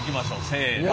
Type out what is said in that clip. せの。